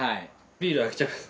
ビール開けちゃいます。